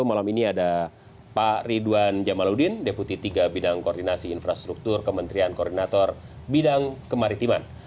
malam ini ada pak ridwan jamaludin deputi tiga bidang koordinasi infrastruktur kementerian koordinator bidang kemaritiman